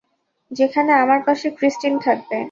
যেখানে আমার পাশে ক্রিস্টিন থাকবে।